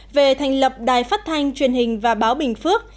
về thành lập đài phát thanh truyền hình và báo bình phước